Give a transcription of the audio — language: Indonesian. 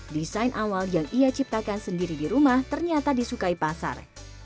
desain awal yang ia ciptakan sendiri di rumah ternyata disukai pasar